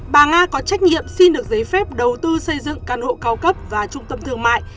bà nga có trách nhiệm xin được giấy phép đầu tư xây dựng căn hộ cao cấp và trung tâm thương mại